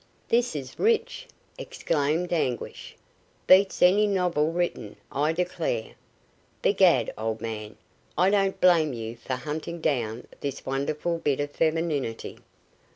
"This is rich!" exclaimed Anguish. "Beats any novel written, I declare. Begad, old man, I don't blame you for hunting down this wonderful bit of femininity.